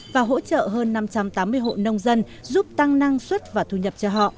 và hỗ trợ hơn năm trăm tám mươi hộ nông dân giúp tăng năng suất và thu nhập cho họ